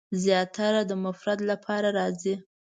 زیاتره د مفرد لپاره راځي.